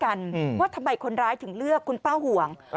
ว่าทำไมคนร้ายถึงเลือกคุณป้าห่วง